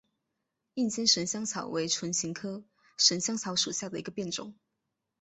硬尖神香草为唇形科神香草属下的一个变种。